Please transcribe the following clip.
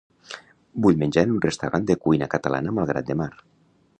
Vull menjar en un restaurant de cuina catalana a Malgrat de Mar.